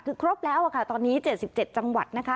คือครบแล้วค่ะตอนนี้๗๗จังหวัดนะคะ